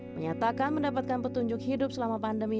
menyatakan mendapatkan petunjuk hidup selama pandemi